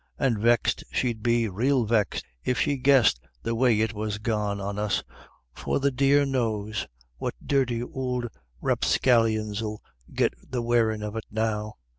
And vexed she'd be, rael vexed, if she guessed the way it was gone on us, for the dear knows what dirty ould rapscallions 'ill get the wearin' of it now.